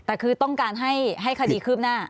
แต่คือต้องการให้คดีคืบหน้า